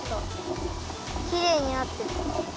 きれいになってる。